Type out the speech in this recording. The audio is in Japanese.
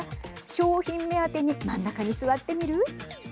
賞品目当てに真ん中に座ってみる。